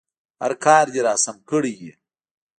هر کار دې راسم کړی وي.